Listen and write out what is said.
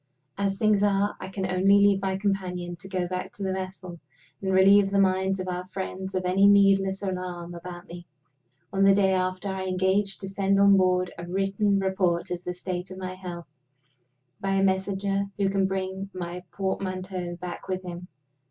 As things are, I can only leave my companion to go back to the vessel, and relieve the minds of our friends of any needless alarm about me. On the day after, I engage to send on board a written report of the state of my health, by a messenger who can bring my portmanteau back with him.